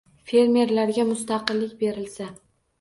Fermerlarga mustaqillik berilsa